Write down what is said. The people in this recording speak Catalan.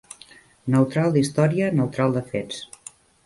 Neutral d'historia, neutral de fets